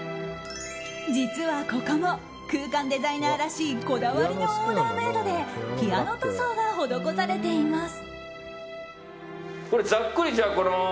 実は、ここも空間デザイナーらしいこだわりのオーダーメイドでピアノ塗装が施されています。